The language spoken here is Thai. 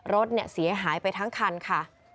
รถเสียหายไปทั้งคันค่ะ